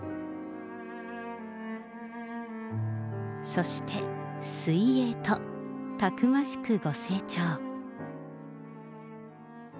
そして水泳と、たくましくご成長。